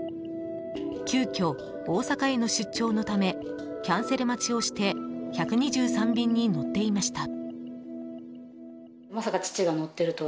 急きょ、大阪への出張のためキャンセル待ちをして１２３便に乗っていました。